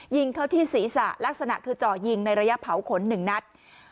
ยิงเข้าที่ศรีษะลักษณะคือจ่อยิงในระยะเผาขนหนึ่งนัด